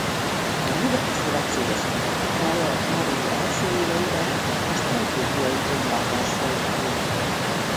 A nyugati szövetségesek taktikája a háború első éveiben a stratégiai bombázásra épült.